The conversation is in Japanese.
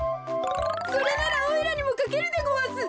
それならおいらにもかけるでごわす。